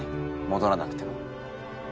戻らなくても。